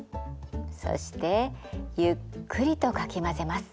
そしてゆっくりとかき混ぜます。